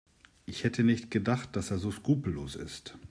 Ich hätte nicht gedacht, dass er so skrupellos ist.